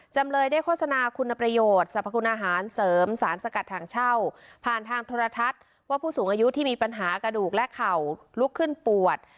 จำเลยได้โฆษณาคุณประโยชน์สรรพคุณอาหารเสริมสารสกัดถังเช่าผ่านทางโทรทัศน์ว่าผู้สูงอายุที่มีปัญหากระดูกและเข่าลุกขึ้นปวด